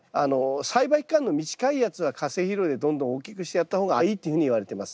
栽培期間の短いやつは化成肥料でどんどん大きくしてやった方がいいっていうふうにいわれてます。